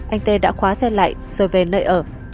anh ttt quay lại xe ba gác rồi về nơi ở